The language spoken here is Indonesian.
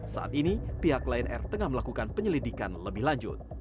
saat ini pihak lion air tengah melakukan penyelidikan lebih lanjut